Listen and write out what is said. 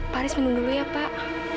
pak haris minum dulu ya pak